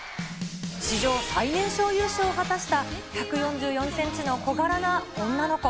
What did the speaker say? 史上最年少優勝を果たした１４４センチの小柄な女の子。